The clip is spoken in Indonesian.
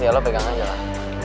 ya lo pegang aja lah